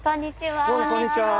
こんにちは。